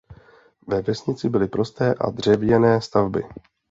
Ve vesnici byly prosté a dřevěné stavby.